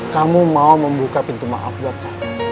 kamu mau membuka pintu maaf buat saya